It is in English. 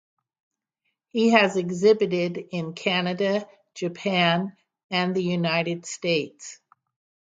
He has exhibited in Canada, Japan, and the United States.